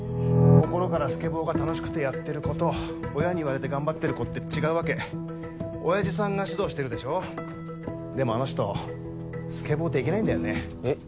心からスケボーが楽しくてやってる子と親に言われて頑張ってる子って違うわけ親父さんが指導してるでしょでもあの人スケボーできないんだよねえっ？